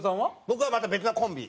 僕はまた別のコンビ。